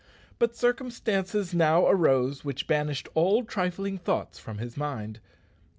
But circumstances now arose which banished all trifling thoughts from his mind.